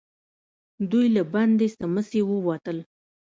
دوئ له بندې سمڅې ووتل.